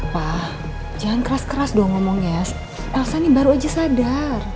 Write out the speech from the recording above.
pak jangan keras keras dong ngomong ya elsa ini baru aja sadar